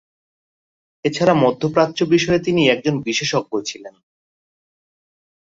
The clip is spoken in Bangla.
এছাড়া মধ্যপ্রাচ্য বিষয়ে তিনি একজন বিশেষজ্ঞ ছিলেন।